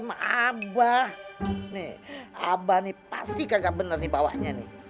sampai jumpa di video selanjutnya